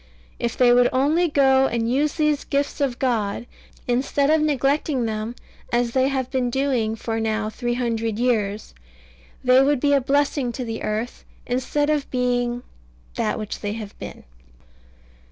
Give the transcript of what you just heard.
If they would only go and use these gifts of God, instead of neglecting them as they have been doing for now three hundred years, they would be a blessing to the earth, instead of being that which they have been.